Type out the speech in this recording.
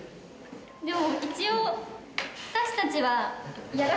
でも一応。